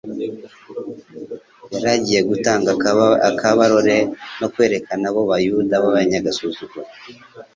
Yari agiye gutanga akabarore no kwereka abo Bayuda b'abanyagasuzuguro